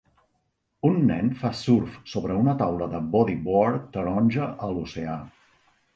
Un nen fa surf sobre una taula de bodyboard taronja a l'oceà.